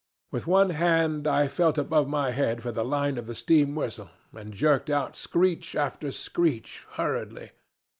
With one hand I felt above my head for the line of the steam whistle, and jerked out screech after screech hurriedly.